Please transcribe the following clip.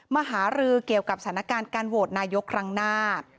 มหารือเกี่ยวกับสถานการณ์การโหวตนายกครั้งหน้า